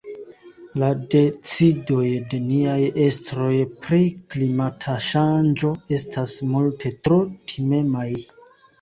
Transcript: La decidoj de niaj estroj pri klimata ŝanĝo estas multe tro timemaj.